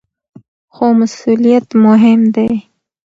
خو مسؤلیت مهم دی.